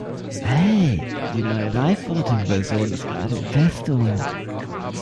Hey, die neue LiveVoting Version ist gerade in Testung.